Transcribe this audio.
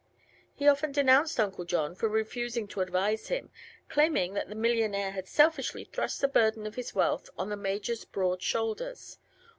Often he denounced Uncle John for refusing to advise him, claiming that the millionaire had selfishly thrust the burden of his wealth on the Major's broad shoulders.